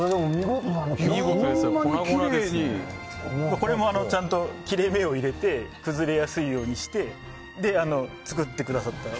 これもちゃんと切れ目を入れて崩れやすいようにしてくださったんです。